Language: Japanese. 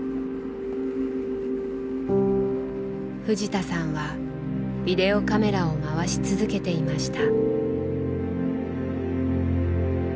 藤田さんはビデオカメラを回し続けていました。